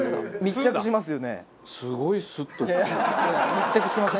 密着してません？